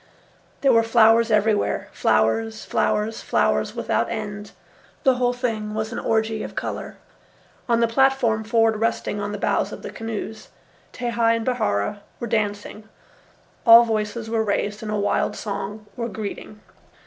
There were flowers everywhere, flowers, flowers, flowers, without end. The whole thing was an orgy of colour. On the platform forward resting on the bows of the canoes, Tehei and Bihaura were dancing. All voices were raised in a wild song or greeting.